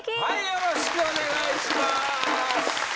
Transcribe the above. よろしくお願いします。